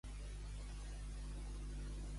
Dormir amb sos talons darrere.